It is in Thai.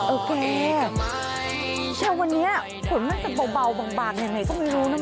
โอเคแชลวันเนี้ยผลมันจะเบาเบาบางบางอย่างไรก็ไม่รู้น่ะ